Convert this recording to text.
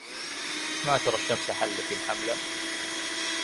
أما ترى الشمس حلت الحملا